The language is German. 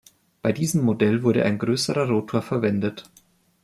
Bei diesem Modell wurde ein größerer Rotor verwendet.